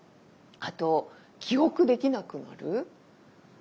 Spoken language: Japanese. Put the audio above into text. あと記憶できなくなる。